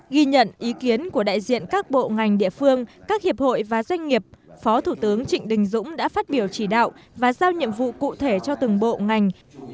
ghi nhận ý kiến của đại diện các bộ ngành địa phương các hiệp hội và doanh nghiệp phó thủ tướng trịnh đình dũng đã phát biểu chỉ đạo và giao nhiệm vụ cụ thể cho từng bộ ngành